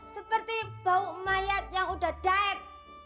seperti bau mayat yang udah diet